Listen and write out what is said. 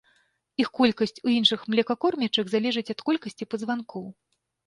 Іх колькасць у іншых млекакормячых залежыць ад колькасці пазванкоў.